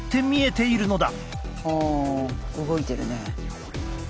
ああ動いてるね。